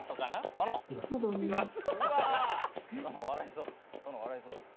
殿笑いそう。